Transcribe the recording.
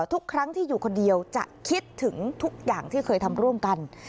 ทุกครั้งที่อยู่คนเดียวจะคิดถึงทุกอย่างที่เคยทำร่วมกัน